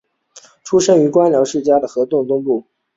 出生于官僚世家河东柳氏东眷。